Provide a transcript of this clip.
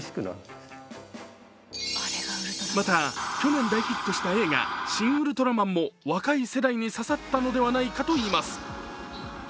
また去年大ヒットした映画「シン・ウルトラマン」も若い世代に刺さったのではないかといいます。